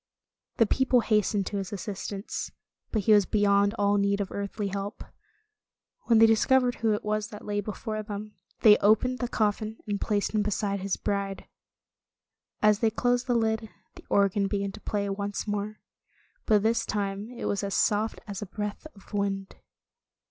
The people hastened to his assistance, but he was beyond all need. of earthly help. When they discovered who it was that lay before them, they opened the coffin and placed him beside his bride. As they closed the lid, the organ began to play once more. But this time it was as soft as a breath of wind.